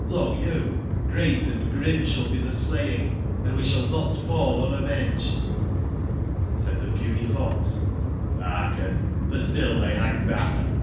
Lo you t great and grim sball be tbe slaying, and we shall not fall unavenged '*J^ Said tbe Puny fox: '* Hearken I for still tbey bang bach.